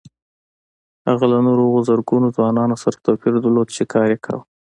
هغه له نورو هغو زرګونه ځوانانو سره توپير درلود چې کار يې کاوه.